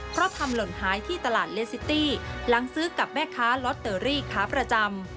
เพราะทำหล่นหายที่ตลาดเลสซิตี้หลังซื้อกับแม่ค้าลอตเตอรี่ขาประจำ